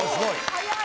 早い。